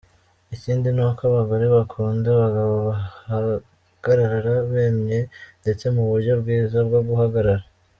Ikindi ni uko abagore bakunda abagabo bahagarara bemye ndetse mu buryo bwiza bwo guhagarara.